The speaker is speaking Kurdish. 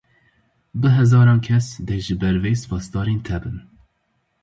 Bi hezaran kes dê ji ber vê spasdarên te bin.